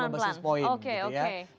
biasanya pelan pelan oke oke